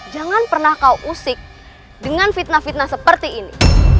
jangan pernah kau usik dengan fitnah fitnah seperti ini